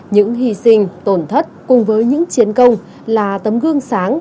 những hy sinh tổn thất cùng với những chiến công là tấm gương sáng